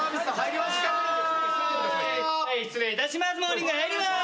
失礼いたします。